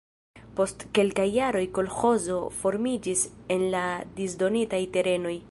Post kelkaj jaroj kolĥozo formiĝis en la disdonitaj terenoj.